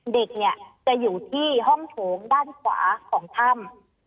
เด็กเนี่ยจะอยู่ที่ห้องโถงด้านขวาของถ้ำ